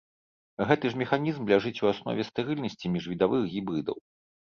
Гэты ж механізм ляжыць у аснове стэрыльнасці міжвідавых гібрыдаў.